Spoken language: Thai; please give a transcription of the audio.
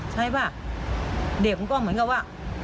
ใช่ป่ะเด็กมันก็เหมือนกับว่า